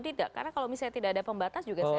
tidak karena kalau misalnya tidak ada pembatas juga saya